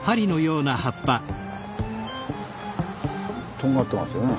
とんがってますよね。